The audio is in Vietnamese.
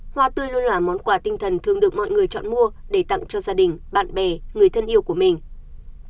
hoa tươi luôn là món quà tinh thần thường được mọi người chọn mua để tặng cho gia đình bạn bè người thân yêu của mình